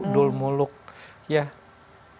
dalam dunia pemain sandiwara